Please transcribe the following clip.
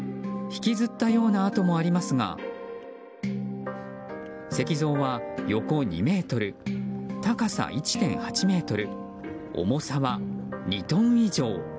引きずったような跡もありますが石像は横２ｍ、高さ１．８ｍ重さは２トン以上。